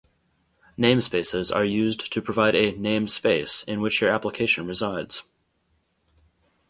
Namespaces are used to provide a "named space" in which your application resides.